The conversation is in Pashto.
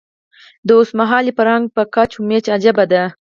د اوسمهالي فرهنګ په کچ و میچ عجیبه دی.